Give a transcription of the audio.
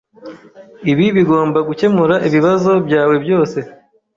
Ibi bigomba gukemura ibibazo byawe byose.